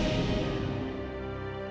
saya lebih percaya kepada allah